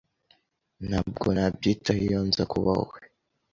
Ntabwo nabyitaho iyo nza kuba wowe.